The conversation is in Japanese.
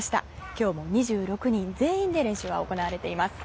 今日も２６人全員で練習が行われています。